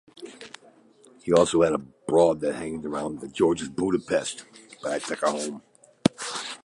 He also had a loan spell at Saint George's Budapest in Australia from Derby.